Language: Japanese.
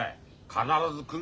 必ず来る。